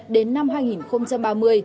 đến năm hai nghìn ba mươi